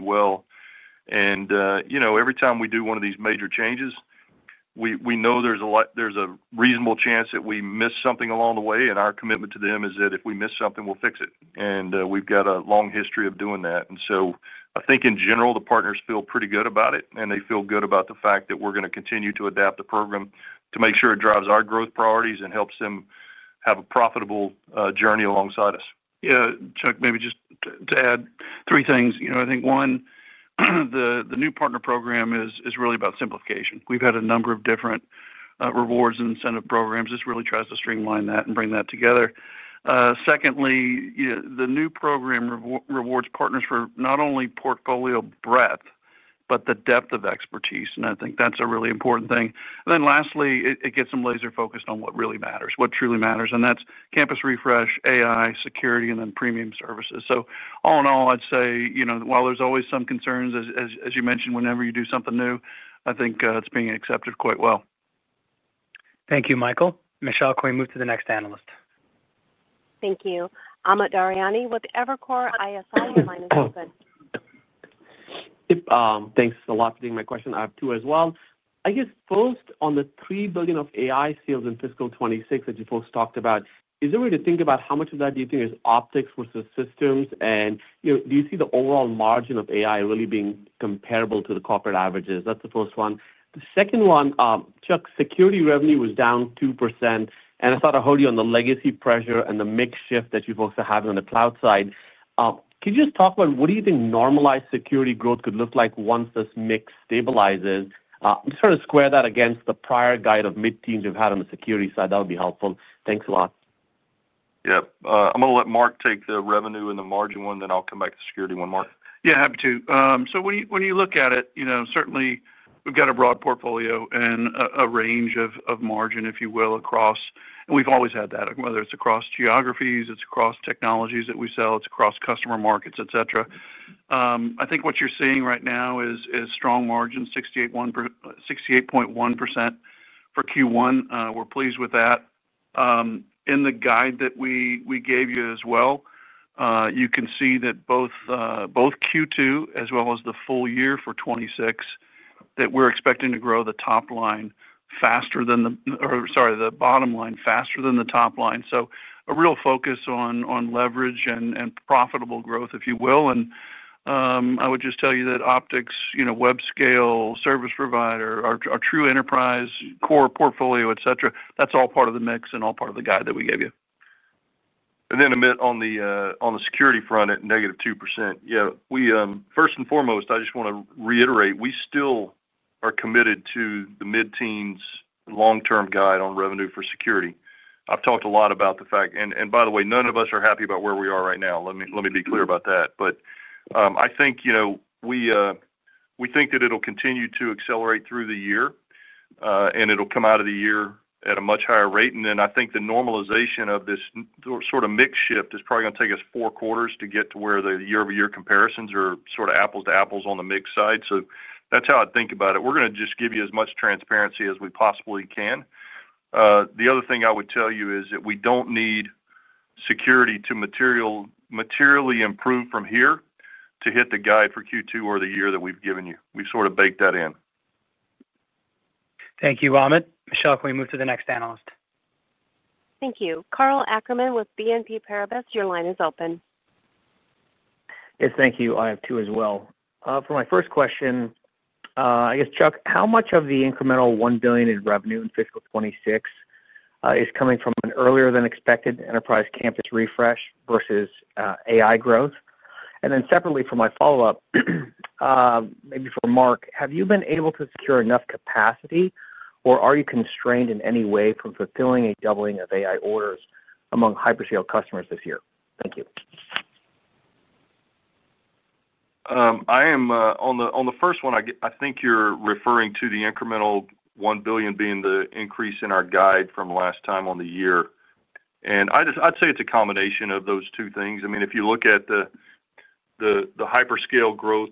well. Every time we do one of these major changes, we know there's a reasonable chance that we miss something along the way. Our commitment to them is that if we miss something, we'll fix it. We've got a long history of doing that. I think, in general, the partners feel pretty good about it. They feel good about the fact that we're going to continue to adapt the program to make sure it drives our growth priorities and helps them have a profitable journey alongside us. Yeah. Chuck, maybe just to add three things. I think, one, the new partner program is really about simplification. We've had a number of different rewards and incentive programs. This really tries to streamline that and bring that together. Secondly, the new program rewards partners for not only portfolio breadth, but the depth of expertise. I think that's a really important thing. Lastly, it gets them laser-focused on what really matters, what truly matters. That's campus refresh, AI, security, and then premium services. All in all, I'd say, while there's always some concerns, as you mentioned, whenever you do something new, I think it's being accepted quite well. Thank you, Michael. Michelle, can we move to the next analyst? Thank you. Amit Daryanani with Evercore ISI, your line is open. Thanks a lot for taking my question. I have two as well. I guess first, on the $3 billion of AI sales in fiscal 2026 that you both talked about, is there a way to think about how much of that do you think is optics versus systems? And do you see the overall margin of AI really being comparable to the corporate averages? That's the first one. The second one, Chuck, security revenue was down 2%. And I thought I heard you on the legacy pressure and the mix shift that you folks are having on the cloud side. Can you just talk about what do you think normalized security growth could look like once this mix stabilizes? I'm just trying to square that against the prior guide of mid-teens we've had on the security side. That would be helpful. Thanks a lot. Yeah. I'm going to let Mark take the revenue and the margin one, then I'll come back to the security one, Mark. Yeah, happy to. So when you look at it, certainly, we've got a broad portfolio and a range of margin, if you will, across. And we've always had that. Whether it's across geographies, it's across technologies that we sell, it's across customer markets, etc. I think what you're seeing right now is strong margins, 68.1% for Q1. We're pleased with that. In the guide that we gave you as well, you can see that both Q2 as well as the full year for 2026, that we're expecting to grow the top line faster than the or sorry, the bottom line faster than the top line. So a real focus on leverage and profitable growth, if you will. I would just tell you that optics, web scale, service provider, our true enterprise, core portfolio, etc., that's all part of the mix and all part of the guide that we gave you. A bit on the security front at negative 2%. Yeah. First and foremost, I just want to reiterate, we still are committed to the mid-teens long-term guide on revenue for security. I've talked a lot about the fact. By the way, none of us are happy about where we are right now. Let me be clear about that. I think we think that it'll continue to accelerate through the year, and it'll come out of the year at a much higher rate. I think the normalization of this sort of mixed shift is probably going to take us four quarters to get to where the year-over-year comparisons are sort of apples to apples on the mixed side. That is how I think about it. We are going to just give you as much transparency as we possibly can. The other thing I would tell you is that we do not need security to materially improve from here to hit the guide for Q2 or the year that we have given you. We have sort of baked that in. Thank you, Amit. Michelle, can we move to the next analyst? Thank you. Karl Ackerman with BNP Paribas, your line is open. Yes, thank you. I have two as well. For my first question, I guess, Chuck, how much of the incremental $1 billion in revenue in fiscal 2026 is coming from an earlier-than-expected enterprise campus refresh versus AI growth? And then separately for my follow-up, maybe for Mark, have you been able to secure enough capacity, or are you constrained in any way from fulfilling a doubling of AI orders among Hyperscale customers this year? Thank you. On the first one, I think you're referring to the incremental $1 billion being the increase in our guide from last time on the year. I'd say it's a combination of those two things. I mean, if you look at the Hyperscale growth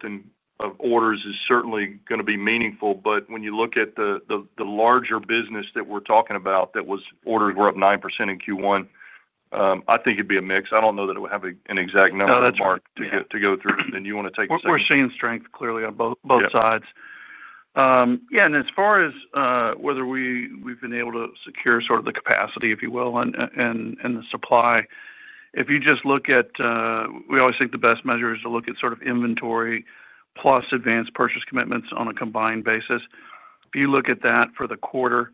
of orders, it's certainly going to be meaningful. When you look at the larger business that we're talking about that was orders were up 9% in Q1, I think it'd be a mix. I don't know that it would have an exact number, Mark, to go through. You want to take the second. We're seeing strength clearly on both sides. Yeah. As far as whether we've been able to secure sort of the capacity, if you will, and the supply, if you just look at we always think the best measure is to look at sort of inventory plus advanced purchase commitments on a combined basis. If you look at that for the quarter,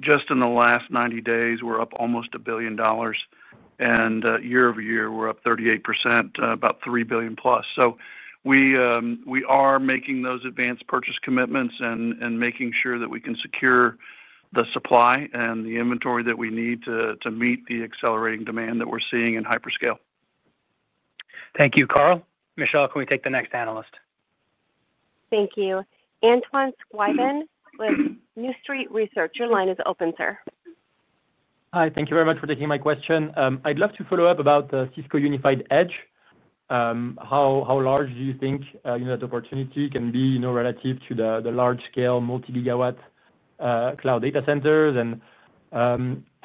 just in the last 90 days, we're up almost $1 billion. Year-over-year, we're up 38%, about $3 billion plus. We are making those advanced purchase commitments and making sure that we can secure the supply and the inventory that we need to meet the accelerating demand that we're seeing in Hyperscale. Thank you, Karl. Michelle, can we take the next analyst? Thank you. Antoine Chkaiban with New Street Research. Your line is open, sir. Hi. Thank you very much for taking my question. I'd love to follow up about the Cisco Unified Edge. How large do you think that opportunity can be relative to the large-scale multi-gigawatt cloud data centers?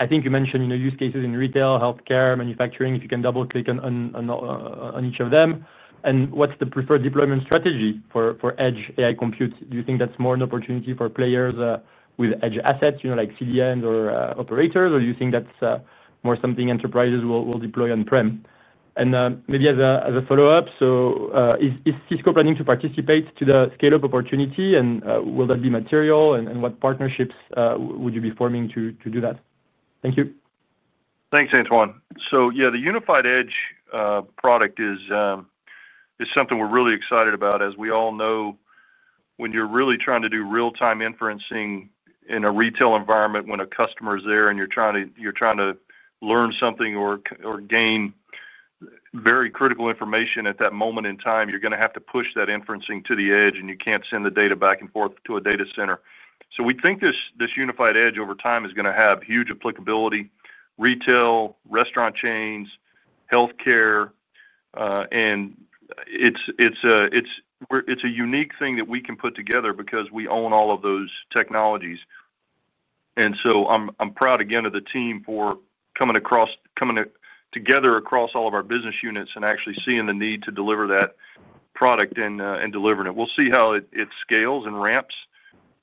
I think you mentioned use cases in retail, healthcare, manufacturing, if you can double-click on each of them. What's the preferred deployment strategy for edge AI compute? Do you think that's more an opportunity for players with edge assets like CDN or operators, or do you think that's more something enterprises will deploy on-prem? Maybe as a follow-up, is Cisco planning to participate to the scale-up opportunity, and will that be material, and what partnerships would you be forming to do that? Thank you. Thanks, Antoine. Yeah, the Unified Edge product is something we're really excited about. As we all know, when you're really trying to do real-time inferencing in a retail environment when a customer is there and you're trying to learn something or gain very critical information at that moment in time, you're going to have to push that inferencing to the edge, and you can't send the data back and forth to a data center. We think this Unified Edge over time is going to have huge applicability: retail, restaurant chains, healthcare. It is a unique thing that we can put together because we own all of those technologies. I am proud, again, of the team for coming together across all of our business units and actually seeing the need to deliver that product and delivering it. We'll see how it scales and ramps,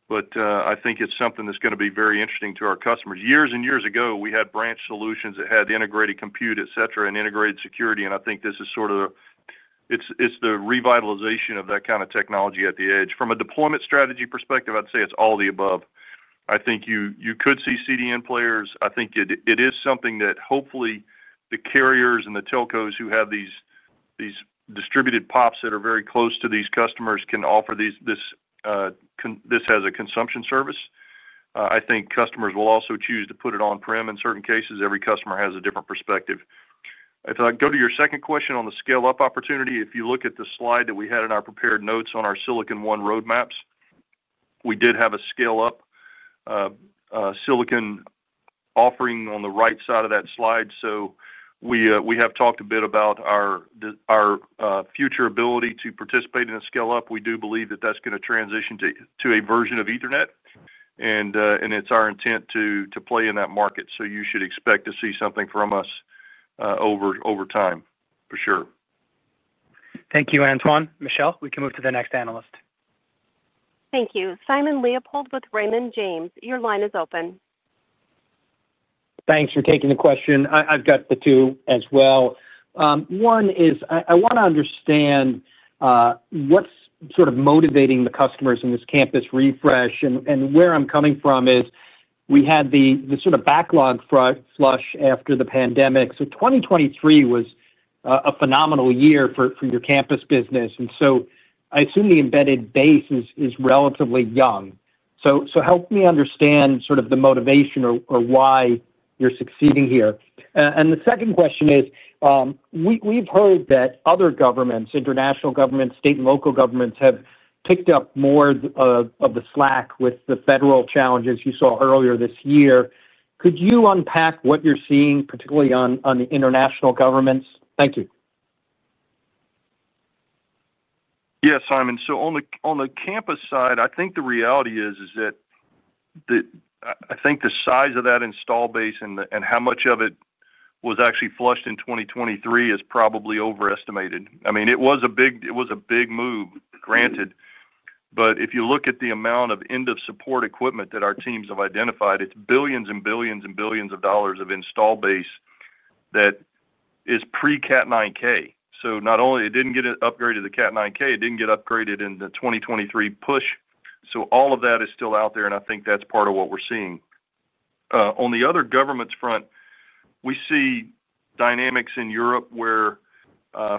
but I think it's something that's going to be very interesting to our customers. Years and years ago, we had branch solutions that had integrated compute, etc., and integrated security. I think this is sort of the revitalization of that kind of technology at the edge. From a deployment strategy perspective, I'd say it's all the above. I think you could see CDN players. I think it is something that hopefully the carriers and the Telcos who have these distributed pops that are very close to these customers can offer this. This has a consumption service. I think customers will also choose to put it on-prem. In certain cases, every customer has a different perspective. If I go to your second question on the scale-up opportunity, if you look at the slide that we had in our prepared notes on our Silicon One roadmaps, we did have a scale-up Silicon offering on the right side of that slide. We have talked a bit about our future ability to participate in a scale-up. We do believe that that is going to transition to a version of Ethernet. It is our intent to play in that market. You should expect to see something from us over time, for sure. Thank you, Antoine. Michelle, we can move to the next analyst. Thank you. Simon Leopold with Raymond James. Your line is open. Thanks for taking the question. I have got two as well. One is I want to understand what is sort of motivating the customers in this campus refresh. Where I am coming from is we had the sort of backlog flush after the pandemic. 2023 was a phenomenal year for your campus business. I assume the embedded base is relatively young. Help me understand the motivation or why you are succeeding here. The second question is we've heard that other governments, international governments, state and local governments, have picked up more of the slack with the federal challenges you saw earlier this year. Could you unpack what you're seeing, particularly on the international governments? Thank you. Yes, Simon. On the campus side, I think the reality is that I think the size of that install base and how much of it was actually flushed in 2023 is probably overestimated. I mean, it was a big move, granted. If you look at the amount of end-of-support equipment that our teams have identified, it's billions and billions and billions of dollars of install base that is pre-Cat 9K. Not only did it get upgraded to the Cat 9K, it didn't get upgraded in the 2023 push. All of that is still out there, and I think that's part of what we're seeing. On the other government's front, we see dynamics in Europe where,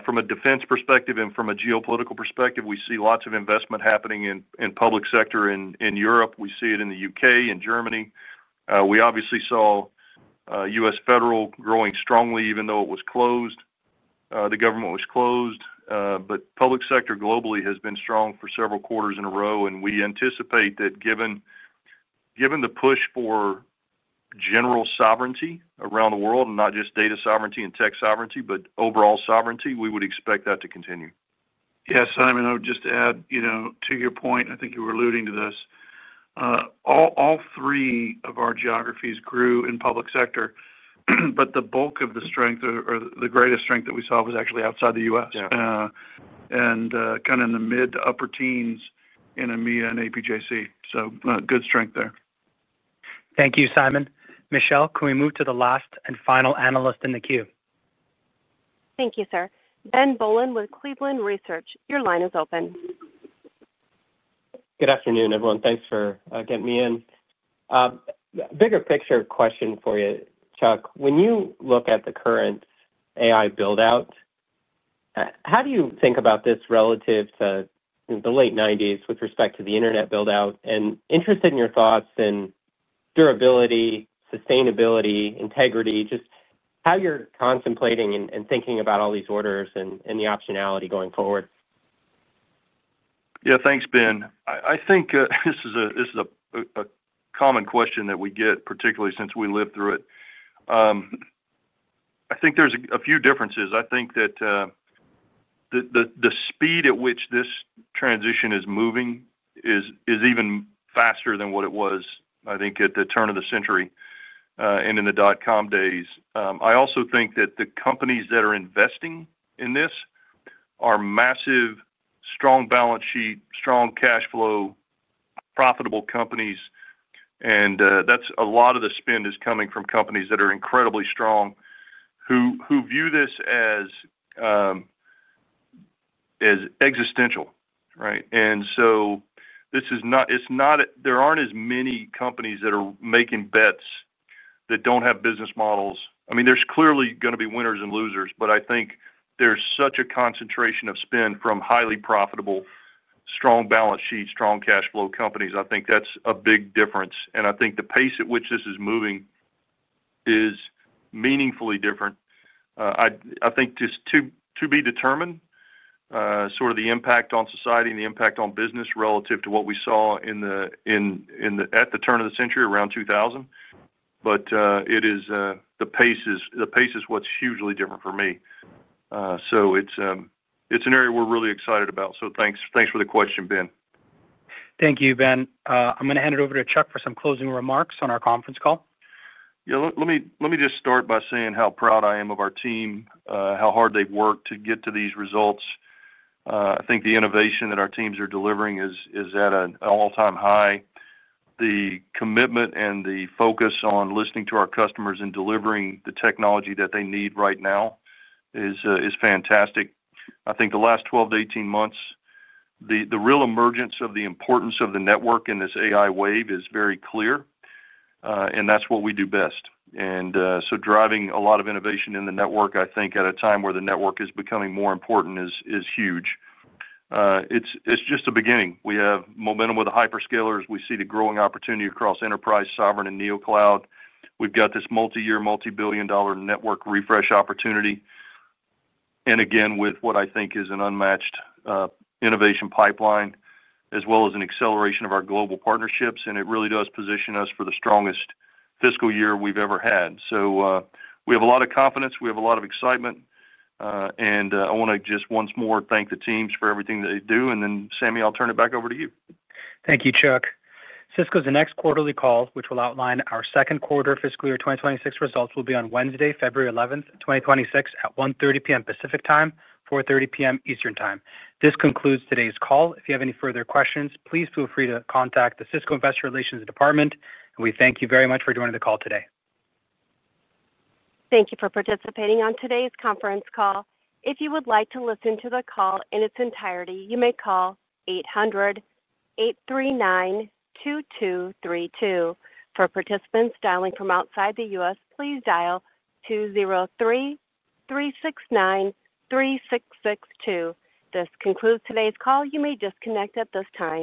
from a defense perspective and from a geopolitical perspective, we see lots of investment happening in public sector in Europe. We see it in the U.K. and Germany. We obviously saw U.S. federal growing strongly even though it was closed. The government was closed. Public sector globally has been strong for several quarters in a row. We anticipate that given the push for general sovereignty around the world, not just data sovereignty and tech sovereignty, but overall sovereignty, we would expect that to continue. Yes, Simon, I would just add to your point. I think you were alluding to this. All three of our geographies grew in public sector, but the bulk of the strength or the greatest strength that we saw was actually outside the U.S. and kind of in the mid to upper teens in EMEA and APJC. Good strength there. Thank you, Simon. Michelle, can we move to the last and final analyst in the queue? Thank you, sir. Ben Bollin with Cleveland Research. Your line is open. Good afternoon, everyone. Thanks for getting me in. Bigger picture question for you, Chuck. When you look at the current AI buildout, how do you think about this relative to the late 1990s with respect to the internet buildout? Interested in your thoughts in durability, sustainability, integrity, just how you're contemplating and thinking about all these orders and the optionality going forward. Yeah, thanks, Ben. I think this is a common question that we get, particularly since we lived through it. I think there's a few differences. I think that the speed at which this transition is moving is even faster than what it was, I think, at the turn of the century and in the dot-com days. I also think that the companies that are investing in this are massive, strong balance sheet, strong cash flow, profitable companies. I mean, a lot of the spend is coming from companies that are incredibly strong who view this as existential, right? It's not there aren't as many companies that are making bets that don't have business models. I mean, there's clearly going to be winners and losers, but I think there's such a concentration of spend from highly profitable, strong balance sheet, strong cash flow companies. I think that's a big difference. I think the pace at which this is moving is meaningfully different. I think just to be determined, sort of the impact on society and the impact on business relative to what we saw at the turn of the century around 2000. The pace is what's hugely different for me. It is an area we're really excited about. Thanks for the question, Ben. Thank you, Ben. I'm going to hand it over to Chuck for some closing remarks on our conference call. Let me just start by saying how proud I am of our team, how hard they've worked to get to these results. I think the innovation that our teams are delivering is at an all-time high. The commitment and the focus on listening to our customers and delivering the technology that they need right now is fantastic. I think the last 12 to 18 months, the real emergence of the importance of the network in this AI wave is very clear. That is what we do best. Driving a lot of innovation in the network, I think at a time where the network is becoming more important, is huge. It is just the beginning. We have momentum with the Hyperscalers. We see the growing opportunity across enterprise, sovereign, and Neocloud. We have got this multi-year, multi-billion dollar network refresh opportunity. Again, with what I think is an unmatched innovation pipeline, as well as an acceleration of our global partnerships, it really does position us for the strongest fiscal year we have ever had. We have a lot of confidence. We have a lot of excitement. I want to just once more thank the teams for everything that they do. Sami, I'll turn it back over to you. Thank you, Chuck. Cisco's next quarterly call, which will outline our second quarter fiscal year 2026 results, will be on Wednesday, February 11, 2026, at 1:30 P.M. Pacific Time, 4:30 P.M. Eastern Time. This concludes today's call. If you have any further questions, please feel free to contact the Cisco Investor Relations Department. We thank you very much for joining the call today. Thank you for participating on today's conference call. If you would like to listen to the call in its entirety, you may call 800-839-2232. For participants dialing from outside the U.S., please dial 203-369-3662. This concludes today's call. You may disconnect at this time.